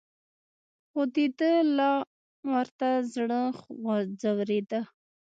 خو دده لا ورته زړه ځورېده.